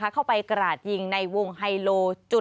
เข้าไปกระดยิงในวงไฮโล๑